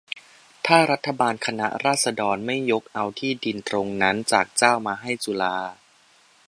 ถ้ารัฐบาลคณะราษฎรไม่ยกเอาที่ดินตรงนั้นจากเจ้ามาให้จุฬา